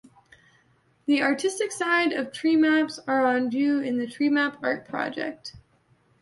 The artistic side of treemaps are on view in the Treemap Art Project.